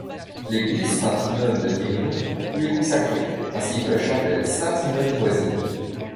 L'église Sainte-Nonne de Dirinon lui est consacrée, ainsi que la chapelle Sainte-Nonne voisine.